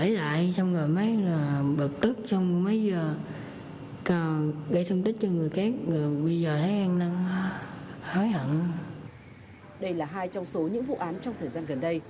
đây là hai trong số những vụ án trong thời gian gần đây